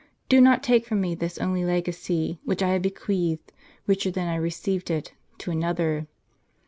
Do not take from me this only legacy, which I have bequeathed, richer than I received it, to another.